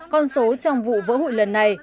con số trong vụ vỡ hủy lần này